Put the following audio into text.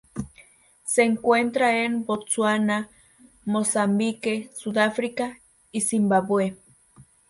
Se encuentra en Botsuana, Mozambique, Sudáfrica y Zimbabue.